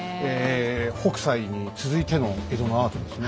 北斎に続いての江戸のアートですね。